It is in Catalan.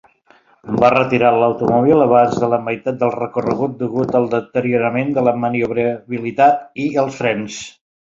Va retirar l'automòbil abans de la meitat del recorregut degut al deteriorament de la maniobrabilitat i els frens.